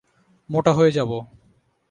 মোটা হয়ে যাবো।